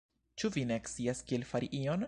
Ĉu vi ne scias kiel fari ion?